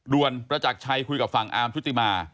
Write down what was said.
ด่วนประจักษ์ชัยคุยกับฝั่งอามชุธิมา